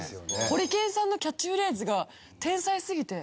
ホリケンさんのキャッチフレーズが天才すぎて。